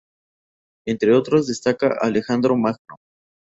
Entre otros destaca Alejandro Magno.